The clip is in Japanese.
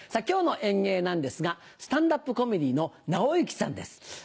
今日の演芸なんですがスタンダップコメディのナオユキさんです。